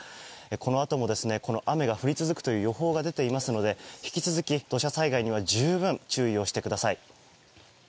このあとも雨が降り続く予報が出ていますので引き続き土砂災害には十分、注意をしてください。